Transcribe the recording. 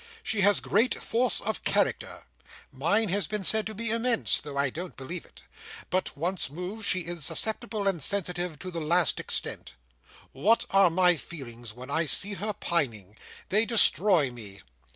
She has great force of character—mine has been said to be immense, though I don't believe it—but once moved, she is susceptible and sensitive to the last extent. What are my feelings when I see her pining! They destroy me.